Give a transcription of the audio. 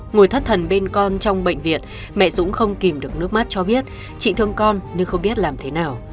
ngồi thất thần bên con trong bệnh viện mẹ dũng không kìm được nước mắt cho biết chị thương con nhưng không biết làm thế nào